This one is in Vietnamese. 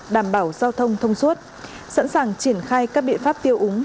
đảm bảo giao thông thông suốt sẵn sàng triển khai các biện pháp tiêu úng